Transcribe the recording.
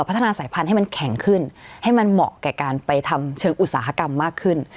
พัฒนาสายพันธุ์ให้มันแข็งขึ้นให้มันเหมาะกับการไปทำเชิงอุตสาหกรรมมากขึ้น